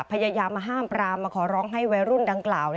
พยายามมาห้ามปรามมาขอร้องให้วัยรุ่นดังกล่าว